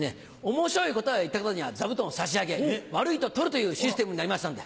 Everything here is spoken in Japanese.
面白い答えを言った方には座布団を差し上げ悪いと取るというシステムになりましたので。